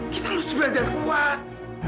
kita harus belajar kuat